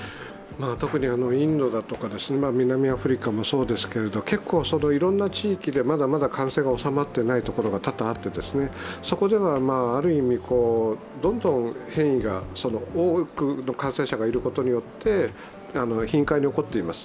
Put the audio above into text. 特にインドだとか、南アフリカもそうですけれども、結構いろんな地域でまだまだ感染が収まっていない所が多々あってそこではある意味、どんどん変異が多くの感染者がいることによって頻回に起こっています。